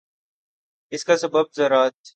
اس کا سبب ذرات